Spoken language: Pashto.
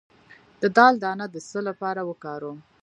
د دال دانه د څه لپاره وکاروم؟